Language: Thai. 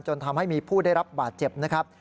ทำให้มีผู้ได้รับบาดเจ็บนะครับ